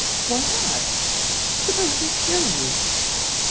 "Why not?" "Suppose they kill you?"